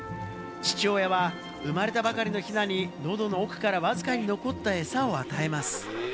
父親は生まれたばかりのヒナに喉の奥からわずかに残った餌を与えます。